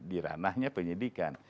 di ranahnya penyidikan